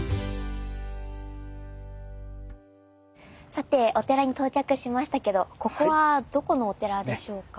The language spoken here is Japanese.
さてお寺に到着しましたけどここはどこのお寺でしょうか？